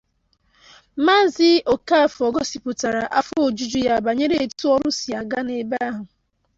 Maazị Okafor gosipụtara afọ ojuju ya banyere etu ọrụ si aga n'ebe ahụ